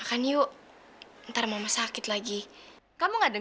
kalau terlalu perhatian istrinya terlalu panjang